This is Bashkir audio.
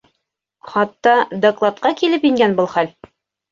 Хатта... докладҡа килеп ингән был хәл.